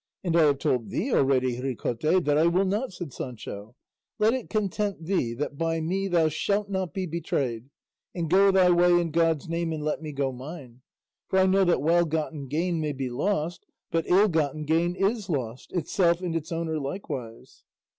"And I have told thee already, Ricote, that I will not," said Sancho; "let it content thee that by me thou shalt not be betrayed, and go thy way in God's name and let me go mine; for I know that well gotten gain may be lost, but ill gotten gain is lost, itself and its owner likewise."